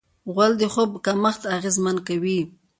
غول د خوب کمښت اغېزمن کوي.